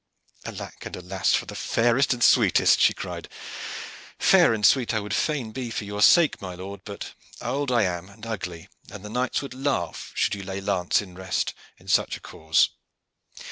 "Alack and alas for the fairest and sweetest!" she cried. "Fair and sweet I would fain be for your dear sake, my lord, but old I am and ugly, and the knights would laugh should you lay lance in rest in such a cause."